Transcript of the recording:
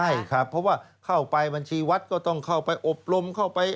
ใช่ครับเพราะว่าเข้าไปบัญชีวัดก็ต้องเข้าไปอบรมเข้าไป